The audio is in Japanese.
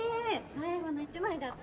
最後の１枚だって。